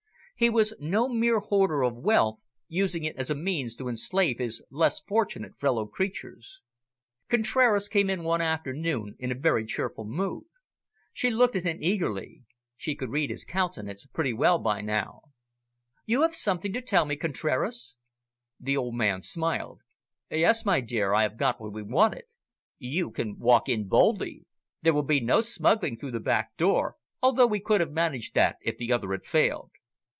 He was no mere hoarder of wealth, using it as a means to enslave his less fortunate fellow creatures. Contraras came in one afternoon in a very cheerful mood. She looked at him eagerly. She could read his countenance pretty well by now. "You have something to tell me, Contraras?" The old man smiled. "Yes, my dear, I have got what we wanted. You can walk in boldly. There will be no smuggling through the back door, although we could have managed that, if the other had failed."